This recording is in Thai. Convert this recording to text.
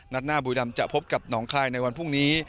นัดหน้าบุรีลำจะพบกับน้องไข่ในวันพรุ่งนี้